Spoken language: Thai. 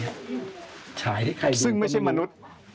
ฉายให้ใครดูเป็นรู้ไม่รู้เขามาฉายใครซึ่งไม่ใช่มนุษย์